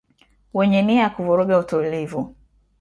wenye nia ya kuvuruga utulivu